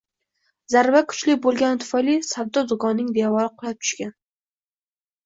Zarba kuchli bo‘lgani tufayli savdo do‘konining devori qulab tushgan